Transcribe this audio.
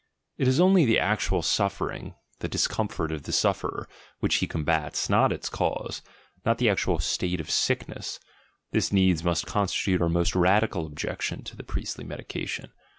* It is only the actual suffering, the discomfort of the sufferer, which he combats, not its cause, not the actual state of sick ness — this needs must constitute our most radical objec tion to priestly medication.